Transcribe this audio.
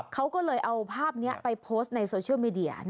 เขาก็เลยเอาภาพนี้ไปโพสต์ในโซเชียลมีเดีย